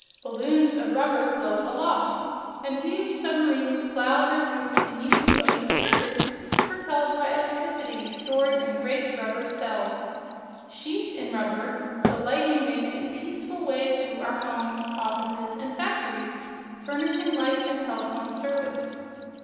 Balloons of rubber float aloft, and huge submarines plow their routes beneath the ocean's surface propelled by electricity stored in great rubber cells. Sheathed in rubber, the lightning makes a peaceful way through our homes, offices and factories, furnishing light and telephone service.